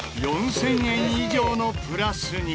４０００円以上のプラスに。